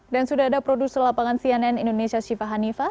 dan sudah ada produser lapangan cnn indonesia syifa hanifah